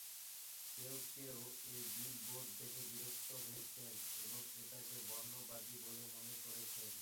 কেউ কেউ এই বিলবোর্ড দেখে বিরক্ত হয়েছেন এবং এটাকে বর্ণবাদী বলে মনে করেছেন।